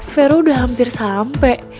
vero udah hampir sampai